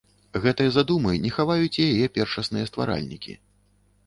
Гэтай задумы не хаваюць і яе першасныя стваральнікі.